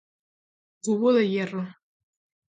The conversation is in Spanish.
Cubo de hierro.